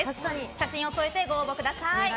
写真を添えてご応募ください。